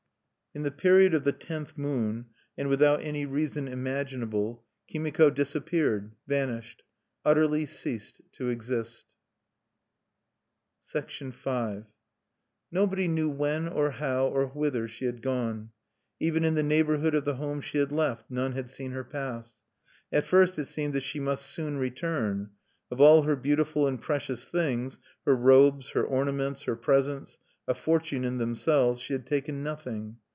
In the period of the tenth moon, and without any reason imaginable, Kimiko disappeared, vanished, utterly ceased to exist. V Nobody knew when or how or whither she had gone. Even in the neighborhood of the home she had left, none had seen her pass. At first it seemed that she must soon return. Of all her beautiful and precious things her robes, her ornaments, her presents: a fortune in themselves she had taken nothing.